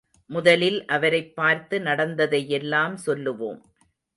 முதலில் அவரைப் பார்த்து நடந்ததையெல்லாம் சொல்லுவோம்.